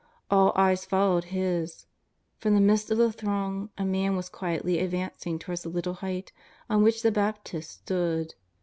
All eyes followed his. From the midst of the throng a Man was quietly ad vancing towards the little height on which the Baptist stood.